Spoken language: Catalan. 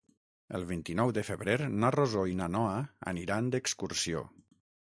El vint-i-nou de febrer na Rosó i na Noa aniran d'excursió.